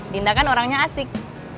dinda kan orangnya asik